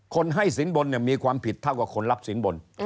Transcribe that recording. ให้สินบนมีความผิดเท่ากับคนรับสินบน